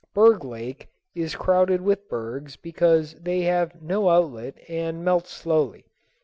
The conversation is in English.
Berg Lake is crowded with bergs because they have no outlet and melt slowly.